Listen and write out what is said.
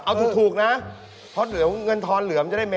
เอาถูกใช่ไหมเล่นเดรออ้ามเห้ยเล่นเดรออ้าม